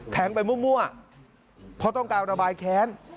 ไปมั่วเพราะต้องการระบายแค้น